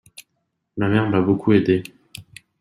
Ma mère m’a beaucoup aidé.